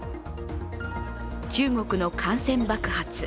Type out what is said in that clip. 中国の感染爆発。